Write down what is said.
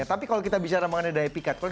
tapi kalau kita bicara mengenai daya pikat